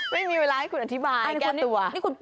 ไม่มีเวลาให้คุณอธิบายแก้ตัว